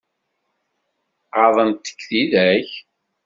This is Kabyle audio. Ɣaḍent-k tidak?